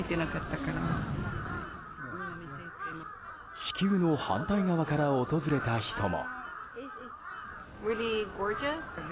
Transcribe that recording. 地球の反対側から訪れた人も。